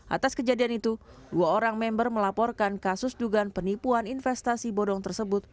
atas kejadian itu dua orang member melaporkan kasus dugaan penipuan investasi bodong tersebut